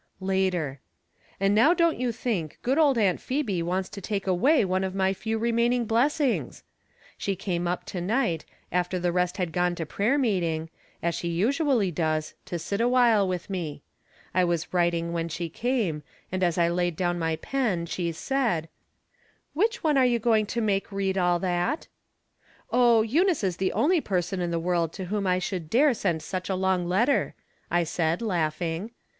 Later. — And now don't you think good old Aimt Phebe wants to take away one of my few remaining blessings ! She came up to night, after the rest had gone to prayer meeting, as she usually does, to sit awhile with me. I was writ ing when she came, and as I laid down my pen, she said :" Which one are you going to make read all that ?"" Oh, Eunice is the only person in the world to whom I should dare send such a long letter," I said, laughing.